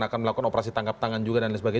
akan melakukan operasi tangkap tangan juga